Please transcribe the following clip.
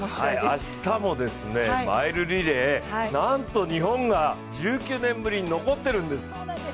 明日もマイルリレー、なんと日本が１９年ぶりに残っているんです。